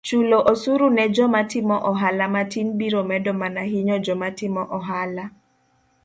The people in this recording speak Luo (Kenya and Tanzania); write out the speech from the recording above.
chulo osuru ne joma timo ohala matin biro medo mana hinyo joma timo ohala